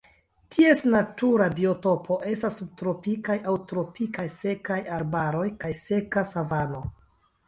Ties natura biotopo estas subtropikaj aŭ tropikaj sekaj arbaroj kaj seka savano.